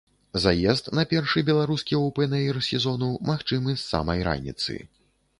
Заезд на першы беларускі оўпэн-эйр сезону магчымы з самай раніцы.